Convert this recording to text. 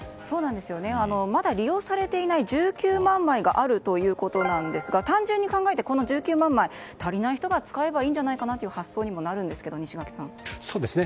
まだ利用されていない１９万枚があるということですが単純に考えて、この１９万枚足りない人が使えばいいんじゃないかなという発想なるんですけど、西垣さん。